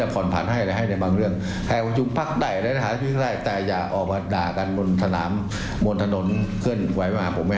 ฟังเสียงนายกรัฐมนตรี